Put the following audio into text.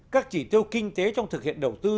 các chỉ tiêu kinh tế trong thực hiện đầu tư